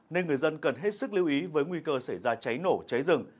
nên người dân cần hết sức lưu ý với nguy cơ xảy ra cháy nổ cháy rừng